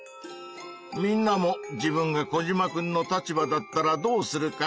みんなも自分がコジマくんの立場だったらどうするか。